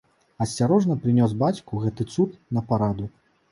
Асцярожна прынёс бацьку гэты цуд на параду.